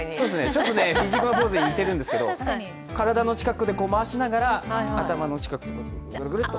ちょっとフィジカルポーズに似てるんですが体の近くで回しながら頭の近くをぐるぐるっと。